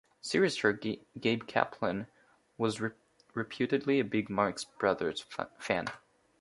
Series star Gabe Kaplan was reputedly a big Marx Brothers fan.